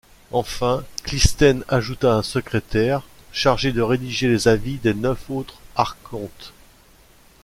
Enfin, Clisthène ajouta un secrétaire, chargé de rédiger les avis des neuf autres archontes.